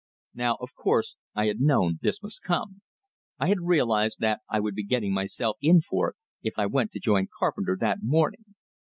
Now, of course, I had known this must come; I had realized that I would be getting myself in for it, if I went to join Carpenter that morning.